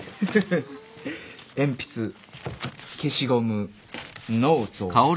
鉛筆消しゴムノート。